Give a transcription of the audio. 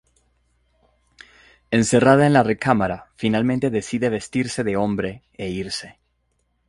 Encerrada en la recámara, finalmente decide vestirse de hombre e irse.